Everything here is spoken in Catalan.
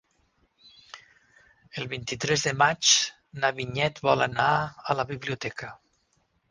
El vint-i-tres de maig na Vinyet vol anar a la biblioteca.